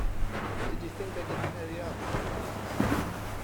Did you think I didn’t know the answer to that?